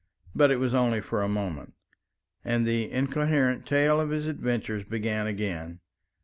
But it was only for a moment, and the incoherent tale of his adventures began again.